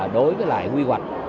đối với quy hoạch